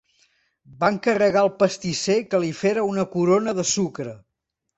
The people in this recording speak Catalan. Va encarregar al pastisser que li fera una corona de sucre.